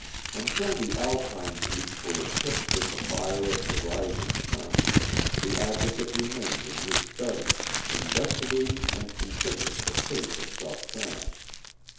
Until the Alpine peaks were tipped with the fire of the rising sun, the Advocate remained in his study, investigating and considering the case of Gautran.